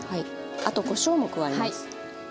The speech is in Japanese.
あとこしょうも加えます。